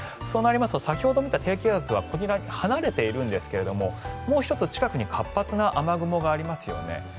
そうなると先ほど見た低気圧は離れているんですがもう１つ、近くに活発な雨雲がありますよね。